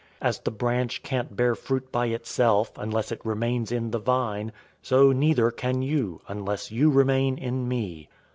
As the branch can't bear fruit by itself, unless it remains in the vine, so neither can you, unless you remain in me.